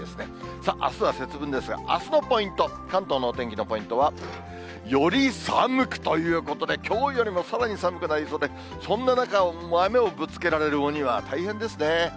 さあ、あすは節分ですが、あすのポイント、関東のお天気のポイントは、より寒くということで、きょうよりもさらに寒くなりそうで、そんな中、豆をぶつけられる鬼は大変ですね。